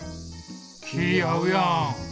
気合うやん！